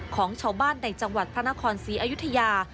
ของชาวบ้านในจังหวัดพระนครศรีอยุธยา